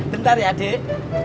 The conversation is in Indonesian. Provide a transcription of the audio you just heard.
bentar ya adik